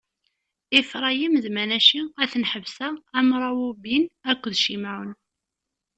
Ifṛayim d Manaci ad ten-ḥesbeɣ am Rawubin akked Cimɛun.